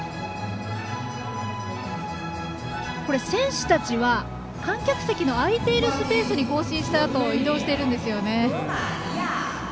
選手たちは観客席のあいているスペースに行進したあと移動しているんですよね。